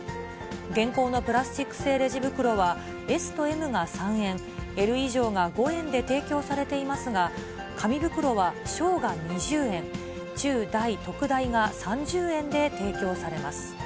現行のプラスチック製レジ袋はＳとＭが３円、Ｌ以上が５円で提供されていますが、紙袋は小が２０円、中、大、特大が３０円で提供されます。